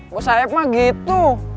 bosaeb mah gitu